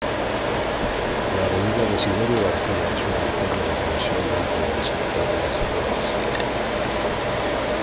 La avenida Desiderio García es una arteria de conexión dentro del sector Las Higueras.